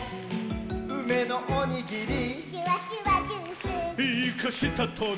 「うめのおにぎり」「シュワシュワジュース」「イカしたトゲ」